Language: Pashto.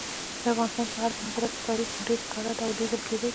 د افغانستان په هره منظره کې تاریخ په ډېر ښکاره ډول لیدل کېدی شي.